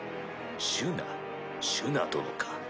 シュナシュナ殿か。